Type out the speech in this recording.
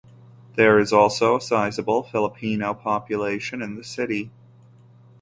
There is also a sizeable Filipino population in the city.